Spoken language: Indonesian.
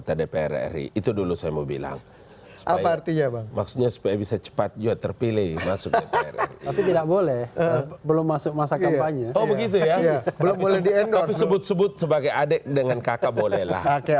tapi sebut sebut sebagai adik dengan kakak boleh lah